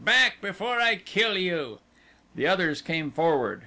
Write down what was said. Back before I kill you." The others came forward.